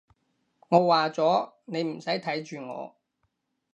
我話咗，你唔使睇住我